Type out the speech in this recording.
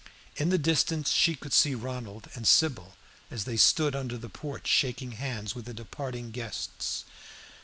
In the distance she could see Ronald and Sybil, as they stood under the porch shaking hands with the departing guests.